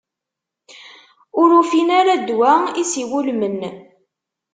Ur ufin ara ddwa i s-iwulmen.